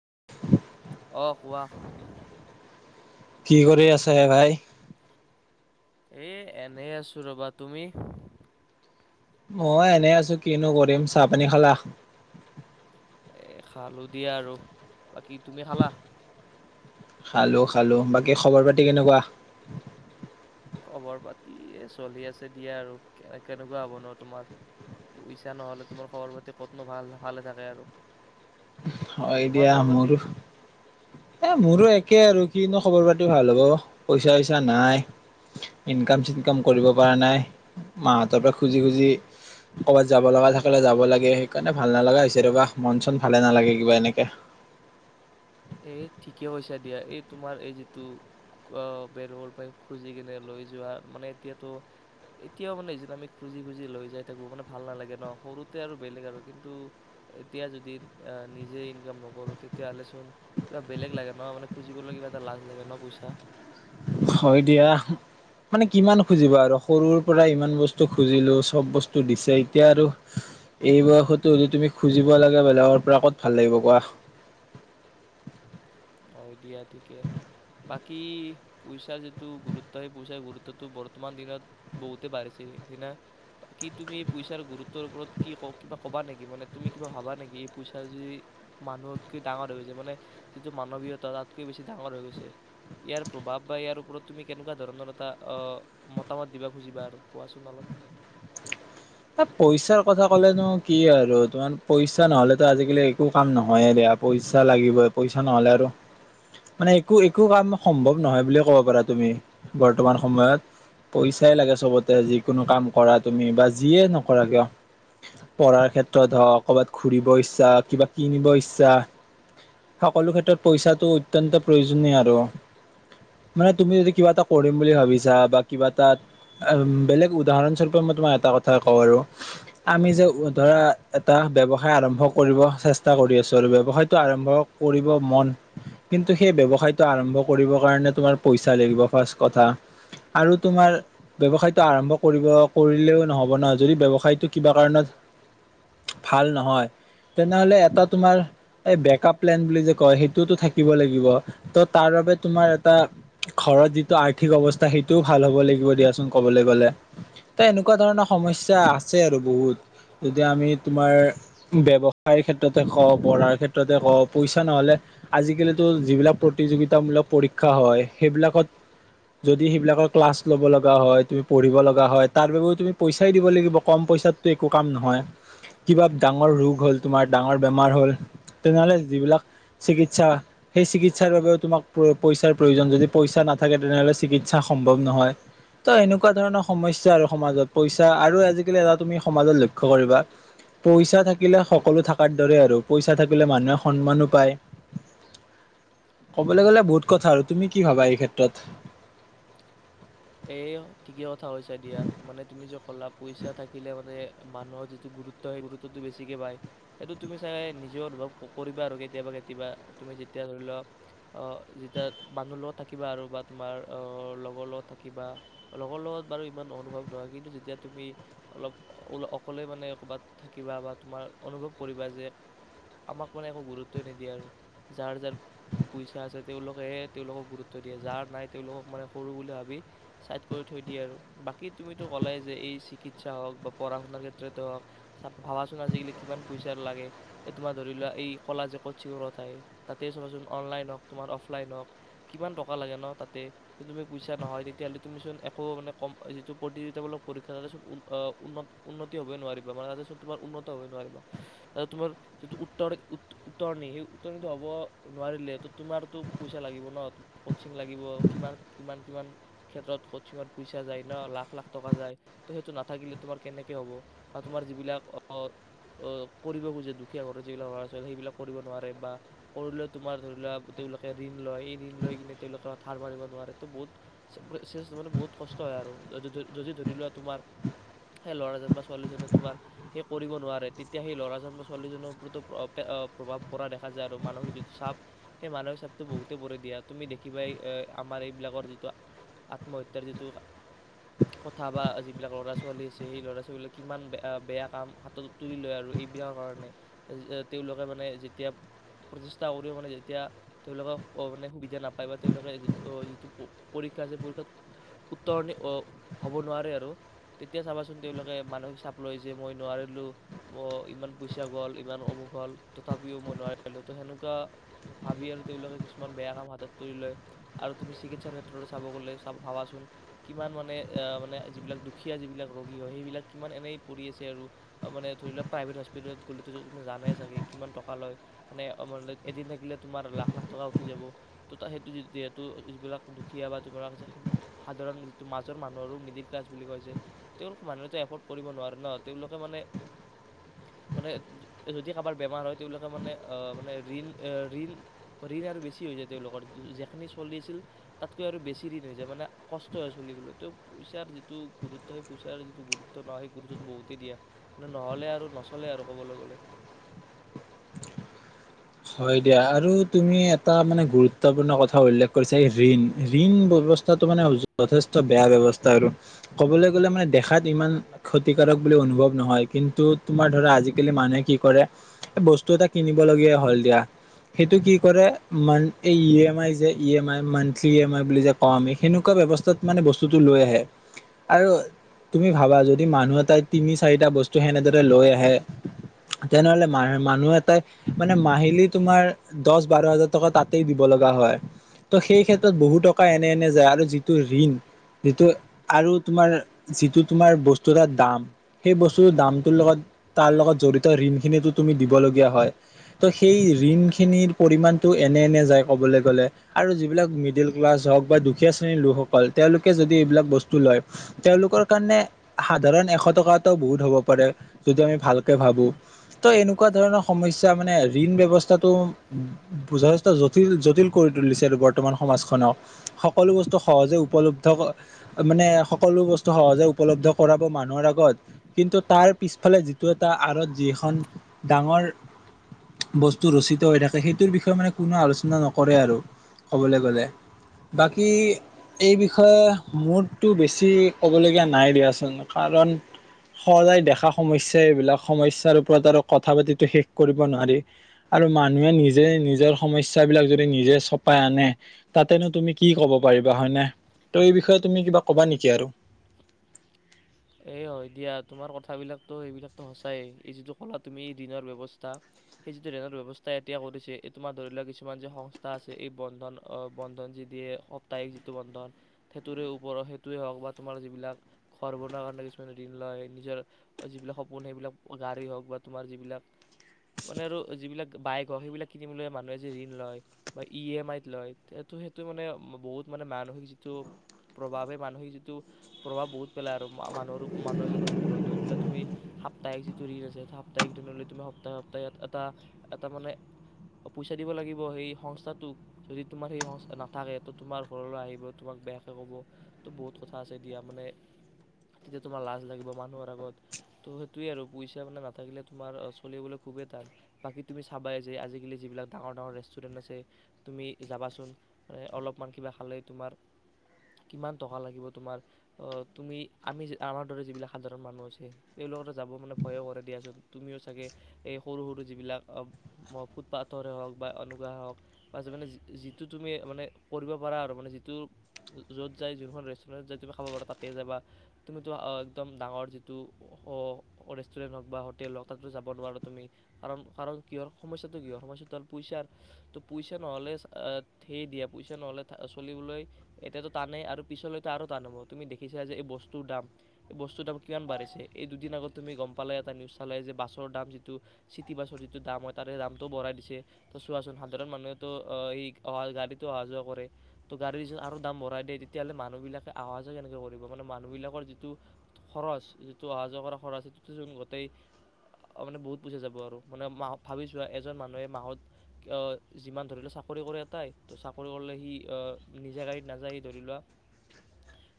[inaudible] অফৱাহ কি কৰি আছে ভাই এ এনেই আছো ৰবা তুমি মই এনেই আছো কিনো কৰিম চাহ পানী খালা খালোধীয়া আৰু [unintelligible] বাকী তুমি খালা খালো খালো বাকী খবৰ পাতি কেনেকুৱা খবৰ পাতি চলি আছে দিয়া আৰু কেনে কেনেকুৱা হ'ব নোৱাৰ তোমাৰ পইচা নহ'লে তোমাৰ খবৰ পাতি ক'তনো ভাল ভালে থাকে আৰু হয় তোমাৰ দিয়া খবৰ পাতি মোৰো এ মোৰো এক তাকে আৰু কিনো খবৰ পাতি ভাল হ'ব পইচা চইচা নাই ইনকাম চিনকাম কৰিব পৰা নাই মাহঁতৰ পৰা খুজি খুজি ক'ৰবাত যাব লগা থাকে যাব লাগে সেইকাৰণে ভাল নালগা হৈছে ৰবা মন চন ভালে নালাগে কিবা এনেকে এ ঠিকেছা দিয়া এই তোমাৰ এই যিটো বেৰৰ পৰা খুজি কিনে লৈ যোৱাৰ মানে এতিয়াতো এতিয়াও মানে আমি খুজি খুজি লৈ যাই থাকো মানে ভাল নালাগে ন সৰুতে আৰু বেলেগ আৰু কিন্তু এতিয়া যদি নিজে ইনকাম নকৰো তেতিয়াহ'লেচোন কিবা বেলেগ লাগে ন মানে খুজিবলৈ কিবা এটা লাজ লাগে ন পইচা হয় দিয়া মানে কিমান খুজিবা আৰু সৰুৰ পৰা ইমান বস্তু খুজিলো চব বস্তু দিছে এতিয়া আৰু এই বয়সতো হলে তুমি খুজিব লাগে বেলেগৰ পৰা ক'ত ভাল লাগিব কোৱা অ দিয়া ঠিকে বাকী পইচাৰ যিটো গুৰুত্ব সেই পইচাৰ গুৰুত্বটো বৰ্তমান দিনত বহুতে বাঢ়িছে সেইদিনাাক কি তুমি এই পইচাৰ গুৰুত্বৰ ওপৰত কি ক কিবা কবা নেকি মানে তুমি কিবা ভাবা নেকি এই পইচা যি মানুহতকৈ ডাঙৰ হৈ গৈছে মানেি [unintelligible] মানৱীয়তা তাতকৈ বেছি ডাঙৰ হৈ গৈছে ইয়াৰ প্ৰভাৱ বা ইয়াৰ ওপৰত তুমি কেনেকুৱা ধৰণৰ এটা মতামত দিব খুজিবা আৰু কোৱাচোন অলপ পইচাৰ কথা কলেনো কি আৰু তোমাৰ পইচা নহলেতো আজিকালি একো কাম নহয়ে দিয়া পইচা লাগিবই পইচা নহলে আৰু মানে একো একো কাম সম্ভৱ নহয় বুলিয়ে কব পাৰা তুমি বৰ্তমান সময়ত পইচাই লাগে চবতে যিকোনো কাম কৰা তুমি বা যিয়ে নকৰাক কিয় পঢ়াৰ ক্ষেত্ৰত হওক ক'ৰবাত ঘূৰিব ইচ্ছা কিবা কিনিব ইচ্ছা সকলো ক্ষেত্ৰত পইচাটো অত্যন্ত প্ৰয়োজনীয় আৰু মানে তুমি যদি কিবা এটা কৰিম বুলি ভাবিছা বা কিবা এটা বেলেগ উদাহৰণস্বৰূপে মই তোমাৰ এটা কথা আমি যে ধৰা এটা ব্য্ৱসায় আৰম্ভ কৰিব চেষ্টা কৰি আছো আৰু ব্ৱসায়তটো আৰম্ভ কৰিব মন কিন্তু সেই ব্য্য়ৱসায়তটো আৰম্ভ কৰিব কাৰণে তোমাৰ পইচা লাগিব ফাৰ্ষ কথা আৰু তোমাৰ ব্যৱসায়টো আৰম্ভ কৰিব কৰিলেও নহব [unintelligible] ব্যৱসাইটো ভাল নহয় তেনেহলে এটা তোমাৰক্লেন বুলি ক সেইটোটো থাকিব লাগিব ত তাৰবাবে যি আৰ্থিক ব্যৱস্থা অ সেইটোও ভাল হব লাগিব দিয়াচোন কবলে গলে [unintelligible] সমস্যা আছে আৰু বহুত যেতিয়া আমি তোমাৰ ব্যৱসায়ৰ ক্ষেত্ৰতে কওঁ পঢ়াৰ ক্ষেত্ৰতে কওঁ পইচা নহ'লে আজিকালিতো যিবিলাক প্ৰতিযোগিতামূলক পৰীক্ষা হয় সেইবিলাকত যদি সেইবিলাকৰ ক্লাছ ল'ব লগা হয় তুমি পঢ়িব লগা হয় তাৰ বাবেও তুমি পইচাই দিব লাগিব কম পইচাতো একো কাম নহয় কিবা ডাঙৰ ৰোগ হ'ল তোমাৰ ডাঙৰ বেমাৰ হ'ল তেনেহ'লে যিবিলাক চিকিৎসা সেই চিকিৎসাৰ বাবেও তোমাক পইচাৰ প্ৰয়োজন যদি পইচা নাথাকে তেনেহ'লে চিকিৎসা সম্ভৱ নহয় তো এনেকুৱা ধৰণৰ সমস্যা আৰু সমাজত পইচা আৰু আজিকালি এটা তুমি সমাজত লক্ষ্য কৰিবা পইচা থাকিলে সকলো থকাৰ দৰে আৰু পইচা থাকিলে মানুহে সন্মানো পায় কবলৈ গলে বহুত কথা আৰু তুমি কি ভাবা এই ক্ষেত্ৰত এ ঠিকেই কথা কৈছা দিয়া মানে তুমি য অ'লা পইচা থাকিলে মানে [unintelligible] মানুহৰ যিটো গুৰুত্ব, সেই গুৰুত্বটো বেছিকে পায়। সেইটো তুমি, চাগে, নিজে অনুভৱ কৰিবা। আৰু, কেতিয়াবা-কেতিয়াবা, তুমি যেতিয়া ধৰি লোৱা, যেতিয়া মানুহৰ লগত থাকিবা, আৰু বা তোমাৰ লগৰ-লগত থাকি কিবা লগৰ-লগত, বাৰু, ইমান অনুভৱ নহয়। কিন্তু, যেতিয়া তুমি অলপ অকলে, মানে, ক'ৰবাত থাকিবা, বা তোমাৰ অনুভৱ কৰিবা যে, আমাক, মানে, একো গুৰুত্বই নিদিয়ে। আৰু, যাৰ-যাৰ পইচা আছে, তেওঁলোকেহে তেওঁলোকক গুৰুত্ব দিয়ে। যাৰ নাই, তেওঁলোকক, মানে, সৰু বুলি ভাবি চাইড কৰি থৈ দিয়ে। আৰু, বাকী, তুমিতো কলাই যে, এই চিকিৎসা হওক বা পঢ়া-শুনাৰ ক্ষেত্ৰতেই হওক, ভাবাচোন, আজিকালি কিমান পইচা লাগে। তোমাৰ, ধৰি লোৱা, এই কলা, [unintelligible] তাতে চাবাচোন। অনলাইন হওক, তোমাৰ অফলাইন হওক, কিমান টকা লাগে ন। তাতে, তুমি, পইচা নহয় তেতিয়াহ'লে, তুমিচোন একো, মানে, কম যিটো প্ৰতিযোগিতামূলক পৰীক্ষা, তাতেচোন উন্ন, উন্নতি হ'বই নোৱাৰিবা, মানে ক'চিং লাগিব, কিমান-কিমান [inaudible] ক্ষেত্ৰত, ক'চিঙৰ পইচা যায় ন। লাখ-লাখ টকা যায়, ত'। সেইটো নাথাকিলে, তোমাৰ কেনেকে হ'ব? বা তোমাৰ যিবিলাক [unintelligible] কৰিব খোজে, দুখীয়া ঘৰৰ যিবিলাক ল'ৰা-ছোৱালী, সেইবিলাক কৰিব নোৱাৰে। বা, কৰিলেও, তোমাৰ ধৰি লোৱা, তেওঁলোকে ঋণ লয়। এই ঋণ লৈ কিনে, তেওঁলোকে ধাৰ মাৰিব নোৱাৰে, ত'। বহুত [unintelligible] [unintelligible] বহুত কষ্ট হয়। আৰু, যদি, যদি ধৰি লোৱা, তোমাৰ সেই ল'ৰাজন বা ছোৱালীজনে তোমাৰ সেই কৰিব নোৱাৰে, তেতিয়া সেই ল'ৰাজন বা ছোৱালীজনৰ ওপৰতো প্ৰভাৱ পৰা দেখা যায়। আৰু, মানসিক যিটো চাপ, সেই মানসিক চাপটো বহুতেই পৰে। দিয়া, তুমি দেখিবাই, এই আমাৰ এইবিলাকৰ যি আত্মহত্যাৰ যিটো কথা, বা যিবিলাক ল'ৰা-ছোৱালী আছে, সেই ল'ৰা-ছোৱালীবিলাকে কিমান বেয়া-বেয়া কাম হাতত তুলি লয়। আৰু, এইবিলাকৰ কাৰণে, তেওঁলোকে, মানে, যেতিয়া প্ৰচেষ্টা কৰিও, মানে, যেতিয়া তেওঁলোকে, মানে, সুবিধা নাপায়, বা তেওঁলোকে যি, যিটো পৰীক্ষা যে, পৰীক্ষাত উত্তৰণি হ'ব নোৱাৰে। আৰু, তেতিয়া চাবাচোন, তেওঁলোকে মানসিক চাপ লয় যে, মই নোৱাৰিলোঁ। ম, ইমান পইচা গ'ল, ইমান অসুখ হ'ল, তথাপিও মই নোৱাৰিলোঁ। ত', সেনেকুৱা ভাবি, আৰু, তেওঁলোকে কিছুমান বেয়া কাম হাতত তুলি লয়। আৰু, তুমি চিকিৎসাৰ ক্ষে ভিতৰৰ চাব গ'লে, চাব, ভাবাচোন, কিমান, মানে, মানে, যিবিলাক দুখীয়া, যিবিলাক ৰোগী হয়, সেইবিলাক কিমান এনেই পৰি আছে। আৰু, মানে, ধৰি লোৱা, প্ৰাইভেট হস্পিটেলত গ'লে, ত', জানাই চাগে কিমান টকা লয়। মানে, এদিন থাকিলে, তোমাৰ লাখ-লাখ টকা উঠি যাব। ত', সেইটো, যিহেতু, যিবিলাক দুখীয়া, বা তোমাৰ সাধাৰণ যিটো মাজৰ মানুহ আৰু, মিডিল ক্লাছ বুলি কয় যে, তেওঁলোক। মানুহ এটা এফৰ্ড কৰিব নোৱাৰে ন। তেওঁলোকে, মানে, মানে, যদি কাৰোবাৰ বেমাৰ হয়, তেওঁলোকে, মানে, মানে, ঋণ-ঋণ-ঋণ আৰু বেছি হৈ যায়। তেওঁলোকৰ যেখিনিয়েই চলি আছিল তাতকৈ, আৰু বেছি ঋণ হৈ যায়। মানে, কষ্ট হয় চলিবলৈ। তেও, পইচাৰ যিটো গুৰুত্ব, সেই পইচাৰ যিটো গুৰুত্ব নহয়, সেই গুৰুত্বটো বহুতেই দিয়া, মানে, নহ'লে আৰু নচলে আৰু, ক'বলৈ গ'লে হয়, দিয়া। আৰু, তুমি এটা, মানে, গুৰুত্বপূৰ্ণ কথা উল্লেখ কৰিছা। ঋণ-ঋণ ব্যৱস্থাটো, মানে, যথেষ্ট বেয়া ব্যৱস্থা। আৰু, ক'বলৈ গ'লে, মানে, দেখাত ইমান ক্ষতিকাৰক বুলি অনুভৱ নহয়। কিন্তু, তোমাৰ ধৰা, আজিকালি মানুহে কি কৰে, বস্তু এটা কিনিব লগীয়া হ'ল দিয়া। সেইটো কি কৰে? এই ইএমআই যে, ইএমআই, মান্থলি ইএমআই বুলি যে কওঁ, আমি সেনেকুৱা ব্যৱস্থাত, মানে, বস্তুটো লৈ আহে। আৰু, তুমি ভাবা, যদি মানুহ এটাই তিনি-চাৰিটা বস্তু সেনেদৰে লৈ আহে, তেনেহ'লে, মানুহ এটাই, মানে, মাহে [unintelligible] লি, তোমাৰ দহ-বাৰ হাজাৰ তাতেই দিব লগা হয়, ত'। সেই ক্ষেত্ৰত, বহু টকা এনে-এনে যায়। যিটো ঋণ, সেইটো, আৰু তোমাৰ বস্তু, ধৰা, দাম। সেই বস্তুটোৰ দামটোৰ লগত, তাৰ লগত জড়িত ঋণখিনিটো তুমি দিব লগীয়া হয়, ত'। সেই সেই ঋণখিনিৰ পৰিমাণটো এনে-এনে যায়, ক'বলৈ গ'লে। আৰু, যিবিলাক মিডিল ক্লাছ হওক বা দুখীয়া শ্ৰেণীৰ লোকসকল, তেওঁলোকে যদি এইবিলাক বস্তু লয়, তেওঁলোকৰ কাৰণে সাধাৰণ এশ টকা এটাও বহুত হ'ব পাৰে, যদি আমি ভালকৈ ভাবোঁ, ত'। এনেকুৱা ধৰণৰ সমস্যা, মানে ঋণ ব্যৱস্থাটো বুজাটো যথেষ্ট জটিল-জটিল কৰি তুলিছে। আৰু, বৰ্তমান সমাজখনক সকলো বস্তু সহজে উপলব্ধ, মানে, সকলো বস্তু সহজে উপলব্ধ কৰাব মানুহৰ আগত। কিন্তু, তাৰ পিছফালে, যিটো এটা আঁৰত, যিখন ডাঙৰ বস্তু ৰচিত হৈ থাকে, সেইটোৰ বিষয়ে, মানে, কোনো আলোচনা নকৰে। আৰু, ক'বলৈ গ'লে, বাকী, এই বিষয়ে মোৰতো বেছি ক'বলগীয়া নাই, দিয়াচোন। কাৰণ, সদায় দেখা সমস্যা এইবিলাক। সমস্যাৰ ওপৰত আৰু কথা পাতিটো শেষ কৰিব নোৱাৰি আৰু, মানুহে নিজে নিজৰ সমস্যাবিলাক যদি নিজে চপাই আনে, তাতেনো তুমি কি ক'ব পাৰিবা, হয়নে? ত', এই বিষয়ে, তুমি কিবা ক'বা নেকি, আৰু এ, হয়, দিয়া। তোমাৰ কথাবিলাকটো, এইবিলাকটো, সঁচায়েই। এই যিটো ক'লা, তুমি, ঋণৰ ব্যৱস্থা, সেই যিটো ঋণৰ ব্যৱস্থা এতিয়া কৰিছে। এই, তোমাৰ, ধৰি লোৱা, কিছুমান যে সংস্থা আছে, এই বন্ধন। বন্ধন যি দিয়ে, সপ্তাহিক যিটো বন্ধন, সেইটোৰে ওপৰ, সেইটোৱেই হওক, বা তোমাৰ যিবিলাক ঘৰবোৰ [unintelligible] কাৰণে, কিছুমান ঋণ লয়। নিজৰ যিবিলাক সপোন, সেইবিলাক গাড়ী হওক, বা তোমাৰ যিবিলাক, মানে, আৰু যিবিলাক বাইক হওক, সেইবিলাক কিনিবলৈ মানুহে যে ঋণ লয়, বা ইএমআইত লয়, সেইটো, সেইটো, মানে, বহুত। মানে, মানসিক যিটো প্ৰভাৱ, মানসিক যিটো প্ৰভাৱ বহুত পেলায়, আৰু মানুহৰ, আৰু মানুহ এজনৰ ওপৰত, ধৰি লোৱা, তুমি সাপ্তাহিক যিটো ঋণ আছে, সেই সাপ্তাহিক ঋণ ললে, তুমি সপ্তাহে-সপ্তাহে ইয়াত এটা-এটা, মানে, পইচা দিব লাগিব, সেই সংস্থাটোক। যদি তোমাৰ সেই সংস্থা নাথাকে, ত' তোমাৰ ঘৰলৈ আহিব, তোমাক বেয়াকৈ ক'ব, ত', বহুত কথা আছে, দিয়া, মানে তেতিয়া, তোমাৰ লাজ লাগিব মানুহৰ আগত। ত', সেইটোৱেই, আৰু, পইচা, মানে, নাথাকিলে, তোমাৰ চলিবলৈ খুবেই টান। বাকী, তুমি চাবাই যে, আজিকালি, যিবিলাক ডাঙৰ-ডাঙৰ ৰেষ্টুৰেণ্ট আছে, তুমি যাবাচোন। অলপমান কিবা খালে, তোমাৰ কিমান টকা লাগিব। তোমাৰ, আ, তুমি আমি, আমাৰ দৰে, যিবিলাক সাধাৰণ মানুহ আছে, তেওঁলোকে তো যাব, মানে, ভয়ো কৰে, দিয়াচোন। তুমিও, চাগে, এই সৰু-সৰু যিবিলাক ফুটপাথৰে হওক, বা অনেকেই হওক, বা, মানে, যিটো তুমি, মানে, কৰিব পাৰা, আৰু, মানে, যিটো, য'ত যায়, যোনখন ৰেষ্টুৰেণ্টত যাই, তুমি খাব পাৰা, তাতে যাবা তুমিতো, আ, একদম ডাঙৰ যিটো, অ', ৰেষ্টুৰেণ্ট হওক বা হোটেল হওক, তাতো যাব নোৱাৰোঁ তুমি। কাৰণ, কাৰণ, কিহৰ সমস্যাটো? কি হয়, সমস্যাটো হ'ল পইচাৰ। ত', পইচা নহ'লে, সেই, দিয়া, পইচা নহ'লে চলিবলৈ এতিয়াতটো টানেই, আৰু পিছলৈতো আৰু টান হ'ব। তুমি দেখিছা যে, এই বস্তু বস্তুটোৰ দাম, বস্তুৰ দাম, কিমান বাঢ়িছে। এই দুদিন আগত, তুমি গম পালায়ে, এটা নিউজ চালায়ে যে, বাছৰ দাম, যিটো চিটিবাছৰ যিটো দাম হয়, তাৰে দামটো বঢ়াই দিছে। ত', চোৱাচোন, সাধাৰণ মানুহে ত' [unintelligible] গাড়ীতেই অহা-যোৱা কৰে, ত' গাড়ীৰ যদি আৰু দাম বঢ়াই দিয়ে, তেতিয়াহ'লে, মানুহবিলাকে অহা-যোৱা কেনেকৈ কৰিব? মানে মান মানুহবিলাকৰ যিটো খৰচ, যিটো অহা-যোৱা কৰা খৰচ, সেইটোত গোটেই, মানে, বহুত পইচা যাব। আৰু, মানে, মাহত ভাবিছোৱা, এজন মানুহে মাহত যিমান, ধৰি লোৱা, চাকৰি কৰে এটাই, ত', চাকৰি কৰিলে, সি, আ, নিজা গাড়ীত নাযায়। সি, ধৰি লোৱা,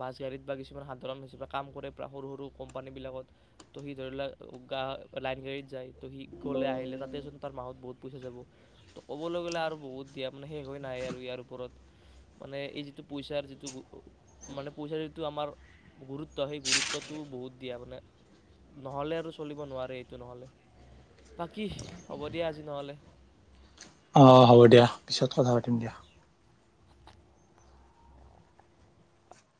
বাছ-গাড়ীত বা কিছু কিছুমান সাধাৰণ হিচাপে কাম কৰে, প্ৰায় সৰু-সৰু কোম্পানীবিলাকত, ত'। সি, ধৰি লোৱা, গা, লাইন-গাড়ীত যায় ত', সি গ'লে-আহিলে, তাতেচোন তাৰ মাহত বহুত পইচা যাব তো ক'বলৈ গ'লে আৰু বহুত দিয়া মানে শেষ হৈ নাই আৰু ইয়াৰ ওপৰত মানে এই যিটো পইচাৰ যিটো মানে পইচাৰ যিটো আমাৰ গুৰুত্ব সেই গুৰুত্বটো বহুত দিয়া মানে নহ'লে আৰু চলিব নোৱাৰে এইটো নহ'লে বাকী হ'ব দিয়া আজি নহ'লে। অ হ'ব দিয়া পিছত কথা পাতিম দিয়া।